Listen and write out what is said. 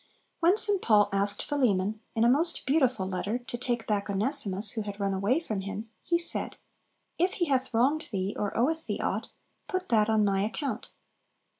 When St. Paul asked Philemon, in a most beautiful letter, to take back Onesimus, who had run away from him, he said, "If he hath wronged thee, or oweth thee ought, put that on my account."